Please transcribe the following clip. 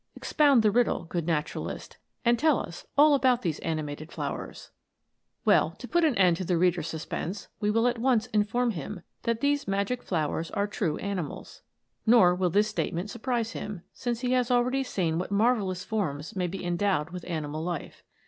Expound the riddle, good naturalist, and tell us all about these animated flowers ! Well, to put an end to the reader's suspense, we will at once inform him that these magic flowers are true animals. Nor will this statement surprise him, since he has already seen what marvellous forms may be endowed with animal life.